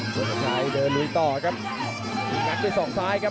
กระโดยสิ้งเล็กนี่ออกกันขาสันเหมือนกันครับ